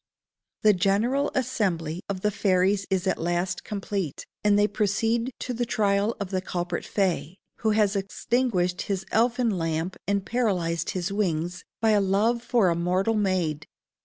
The general assembly of the fairies is at last complete, and they proceed to the trial of the culprit fay, who has extinguished his elfin lamp and paralyzed his wings by a love for a mortal maid.